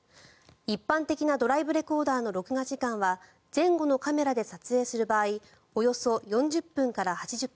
一般的なドライブレコーダーの録画時間は前後のカメラで撮影する場合およそ４０分から８０分。